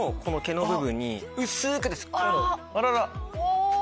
あらら！